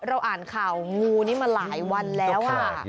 เราอ่านข่าวงูนี้มาหลายวันแล้ว